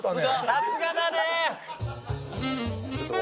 さすがだね！